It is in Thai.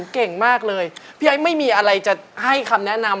เก่งมากเลยพี่ไอ้ไม่มีอะไรจะให้คำแนะนำ